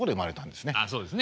そうですね。